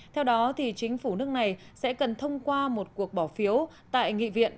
theo đó chính phủ nước này sẽ cần thông qua một cuộc bỏ phiếu tại nghị viện